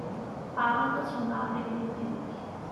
Ɛṛeḍ ad twennɛeḍ tagnizit-inek.